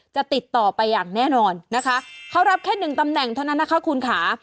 ติดต่อไปอย่างแน่นอนนะคะเขารับแค่หนึ่งตำแหน่งเท่านั้นนะคะคุณค่ะ